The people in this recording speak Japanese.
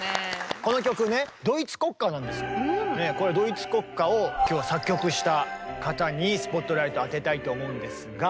これドイツ国歌を今日は作曲した方にスポットライト当てたいと思うんですが。